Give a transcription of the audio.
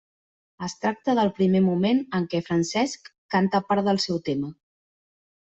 Es tracta del primer moment en què Francesc canta part del seu tema.